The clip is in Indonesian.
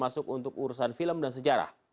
masuk untuk urusan film dan sejarah